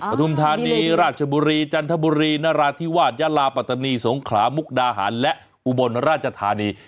ทุมธานีราชบุรีจันทบุรีนราธิวาสยาลาปัตตานีสงขลามุกดาหารและอุบลราชธานี